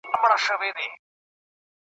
لاس دي رانه کړ اوبو چي ډوبولم `